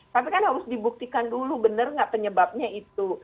tapi kan harus dibuktikan dulu benar nggak penyebabnya itu